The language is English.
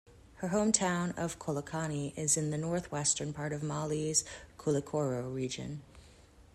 Her hometown of Kolokani is in the northwestern part of Mali's Koulikoro region.